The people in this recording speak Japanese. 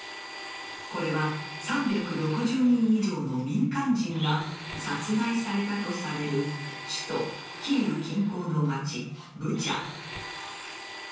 これは３６０人以上の民間人が殺害されたとされる首都・キーウ近郊の町、ブチャ。